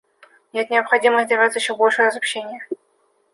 Нет необходимости добиваться еще большего разобщения.